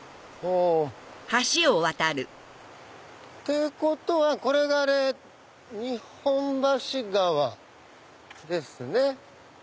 いうことはこれが日本橋川ですね。